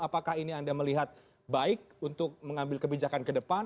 apakah ini anda melihat baik untuk mengambil kebijakan ke depan